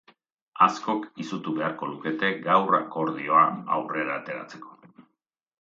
Askok izutu beharko lukete gaur akordioa aurrera ateratzeko.